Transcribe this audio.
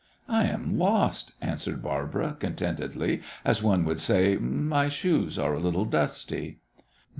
"I am lost," answered Barbara, contentedly, as one would say, "My shoes are a little dusty."